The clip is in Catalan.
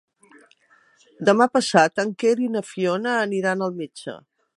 Demà passat en Quer i na Fiona aniran al metge.